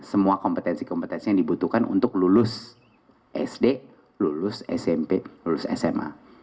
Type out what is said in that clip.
semua kompetensi kompetensi yang dibutuhkan untuk lulus sd lulus smp lulus sma